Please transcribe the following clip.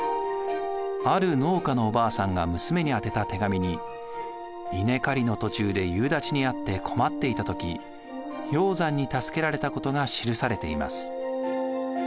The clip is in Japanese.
ある農家のおばあさんが娘に宛てた手紙に稲刈りの途中で夕立ちに遭って困っていた時鷹山に助けられたことが記されています。